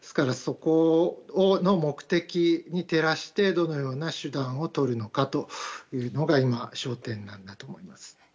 そこの目的に照らしてどのような手段をとるのかというのが今の焦点なんだと思います。